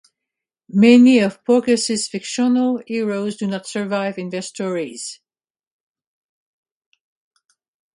Many of Porges's fictional heroes do not survive in their stories.